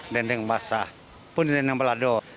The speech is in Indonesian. dendeng basah pun dendeng belado